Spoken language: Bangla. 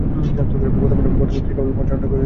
বর্তমানে তিনি কেবল মঞ্চ নাটকে কাজ করছেন।